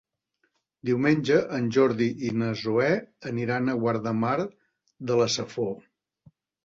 Diumenge en Jordi i na Zoè aniran a Guardamar de la Safor.